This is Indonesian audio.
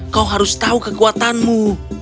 kau harus tahu kekuatanmu